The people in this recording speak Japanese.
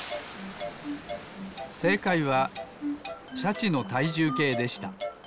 せいかいはシャチのたいじゅうけいでした。